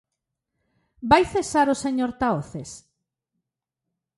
¿Vai cesar o señor Tahoces?